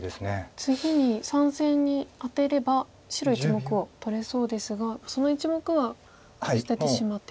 次に３線にアテれば白１目を取れそうですがその１目は捨ててしまって。